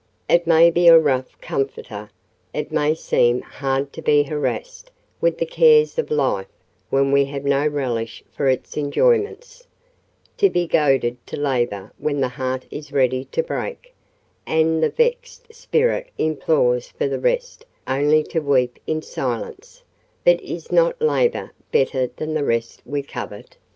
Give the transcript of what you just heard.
It may be a rough comforter: it may seem hard to be harassed with the cares of life when we have no relish for its enjoyments; to be goaded to labour when the heart is ready to break, and the vexed spirit implores for rest only to weep in silence: but is not labour better than the rest we covet?